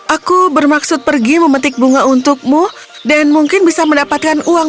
aku bermaksud pergi memetik bunga untukmu dan mungkin bisa mendapatkan uang